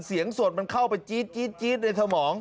เสียงสดมันเข้าไปจี๊ดในสมอง